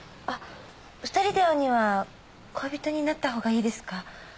あっ２人で会うには恋人になったほうがいいですか？